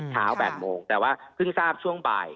๘โมงแต่ว่าเพิ่งทราบช่วงบ่าย